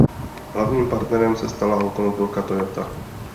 Hlavním partnerem se stala automobilka Toyota.